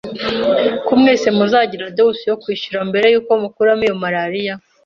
ko mwese muzagira deuce yo kwishyura mbere yuko mukuramo iyo malariya